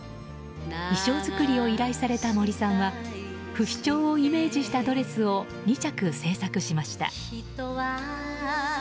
衣装作りを依頼された森さんは不死鳥をイメージしたドレスを２着制作しました。